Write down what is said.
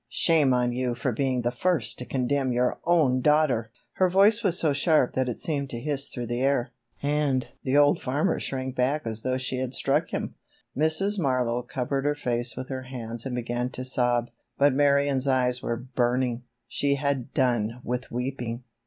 Shame on you for being the first to condemn your own daughter!" Her voice was so sharp that it seemed to hiss through the air, and the old farmer shrank back as though she had struck him. Mrs. Marlowe covered her face with her hands and began to sob, but Marion's eyes were burning—she had done with weeping.